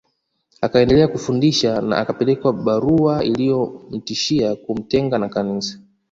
Akaendelea kufundisha na akapelekewa barua iliyomtishia kumtenga na Kanisa